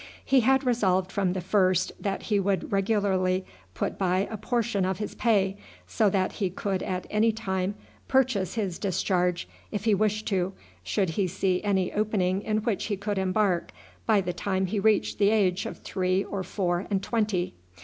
He had resolved from the first that he would regularly put by a portion of his pay, so that he could at any time purchase his discharge if he wished to, should he see any opening in which he could embark by the time he reached the age of three or four and twenty.